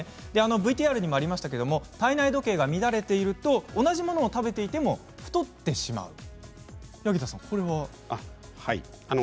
ＶＴＲにもありましたが体内時計が乱れていると同じものを食べていても太ってしまうんですか。